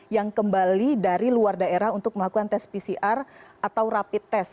yang kembali dari luar daerah untuk melakukan tes pcr atau rapid test